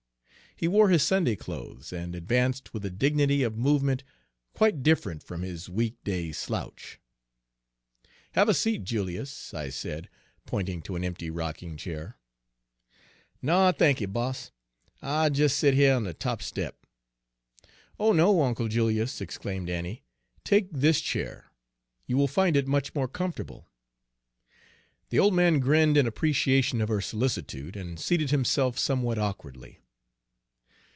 He wore his Sunday clothes, and advanced with a dignity of movement quite different from his week day slouch. "Have a seat, Julius," I said, pointing to an empty rocking chair. "No, thanky, boss, I'll des set here on de top step." "Oh, no, Uncle Julius," exclaimed Annie, "take this chair. You will find it much more comfortable." Page 105 The old man grinned in appreciation of her solicitude, and seated himself somewhat awkwardly.